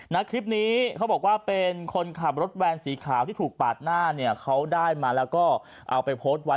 นะคลิปนี้เขาบอกว่าเป็นคนขับรถแวนสีขาวที่ถูกปาดหน้าเนี่ยเขาได้มาแล้วก็เอาไปโพสต์ไว้